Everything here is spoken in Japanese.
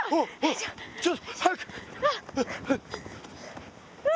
ちょっと早く！